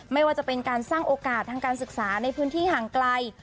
ไม่ว่าจะเป็นการสร้างโอกาสทางการศึกษาในพื้นที่ห่างไกล